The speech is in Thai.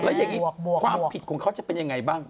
แล้วอย่างนี้ความผิดของเขาจะเป็นยังไงบ้าง